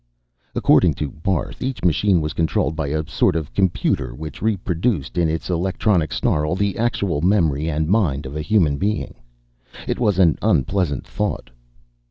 According to Barth, each machine was controlled by a sort of computer which reproduced, in its electronic snarl, the actual memory and mind of a human being. It was an unpleasant thought.